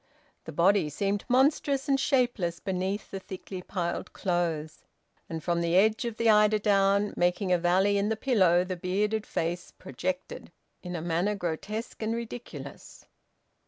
The body seemed monstrous and shapeless beneath the thickly piled clothes; and from the edge of the eider down, making a valley in the pillow, the bearded face projected, in a manner grotesque and ridiculous.